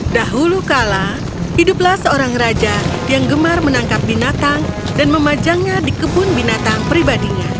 dahulu kala hiduplah seorang raja yang gemar menangkap binatang dan memajangnya di kebun binatang pribadinya